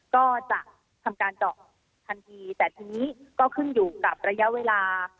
ก็จะทำการเจาะทันทีแต่ทีนี้ก็ขึ้นอยู่กับระยะเวลา